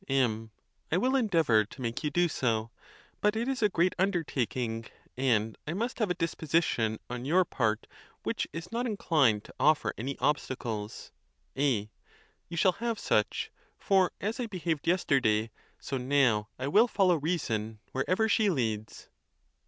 M. 1 will endeavor to make you do so; but it is a great 70 THE TUSCULAN DISPUTATIONS. undertaking, and I must have a disposition on your part which is not inclined to offer any obstacles, A. You shall have such: for as I behaved yesterday, so now I will follow reason wherever she leads.